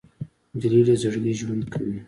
نجلۍ له زړګي ژوند کوي.